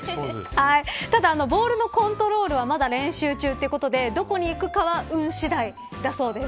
ただ、ボールのコントロールはまだ練習中ということでどこに行くかは運次第だそうです。